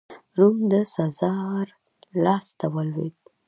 روم د سزار لاسته ولوېد.